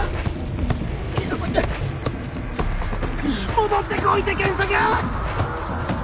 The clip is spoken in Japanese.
戻ってこいて賢作！